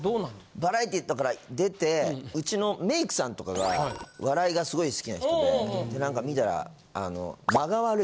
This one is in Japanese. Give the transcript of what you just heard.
バラエティー出てうちのメイクさんとかが笑いがすごい好きな人で何か見たら。